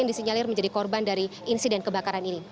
yang disinyalir menjadi korban dari insiden kebakaran ini